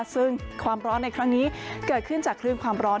ซึ่งความร้อนในครั้งนี้เกิดขึ้นจากคลื่นความร้อน